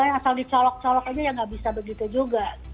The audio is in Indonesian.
asal dicolok colok aja ya nggak bisa begitu juga